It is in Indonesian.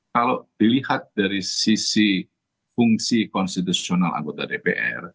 kalau dilihat dari sisi fungsi konstitusional anggota dpr